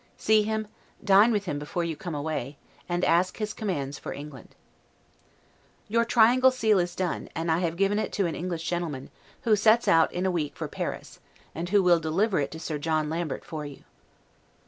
See him, dine with him before you come away, and ask his commands for England. Your triangular seal is done, and I have given it to an English gentleman, who sets out in a week for Paris, and who will deliver it to Sir John Lambert for you.